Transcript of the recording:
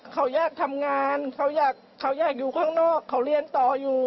เขาอยากทำงานเขาอยากอยู่ข้างนอกเขาเรียนต่ออยู่